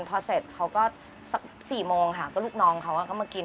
พอเสร็จเขาก็สัก๔โมงค่ะก็ลูกน้องเขาก็มากิน